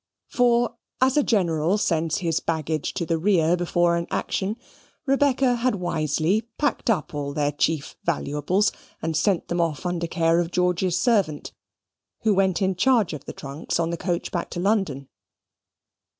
For, as a general sends his baggage to the rear before an action, Rebecca had wisely packed up all their chief valuables and sent them off under care of George's servant, who went in charge of the trunks on the coach back to London.